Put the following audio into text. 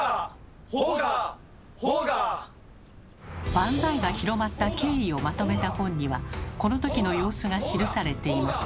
「バンザイ」が広まった経緯をまとめた本にはこのときの様子が記されています。